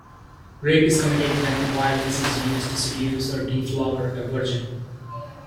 Rape is committed when violence is used to seduce, or deflower a virgin.